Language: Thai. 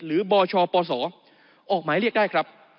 บชปศออกหมายเรียกได้ครับ